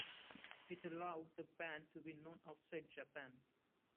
It allowed the band to be known outside Japan.